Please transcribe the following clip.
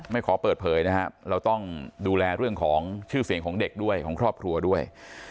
ขอเปิดเผยนะครับเราต้องดูแลเรื่องของชื่อเสียงของเด็กด้วยของครอบครัวด้วย